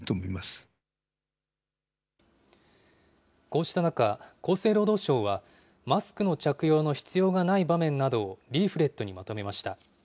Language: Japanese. こうした中、厚生労働省は、マスクの着用の必要がない場面などをリーフレットにまとめました。